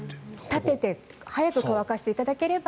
立てて早く乾かしていただければ。